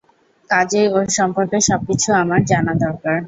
কাজেই ওর সম্পর্কে সব কিছু আমার জানা দরকার।